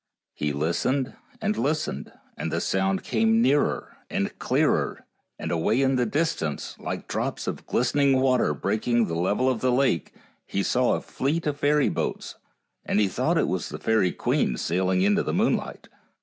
He listened and listened, and the sound came nearer and clearer, and away in the distance, like drops of glistening water breaking the level of the lake, he saw a fleet of fairy boats, and he thought it was the fairy queen sailing in the moonlight.